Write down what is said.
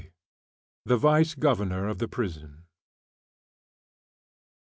THE VICE GOVERNOR OF THE PRISON.